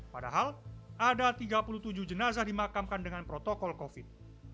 padahal ada tiga puluh tujuh jenazah dimakamkan dengan protokol covid